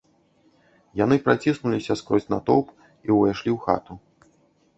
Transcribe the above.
Яны праціснуліся скрозь натоўп і ўвайшлі ў хату.